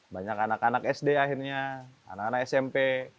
banyak anak anak sd akhirnya anak anak smp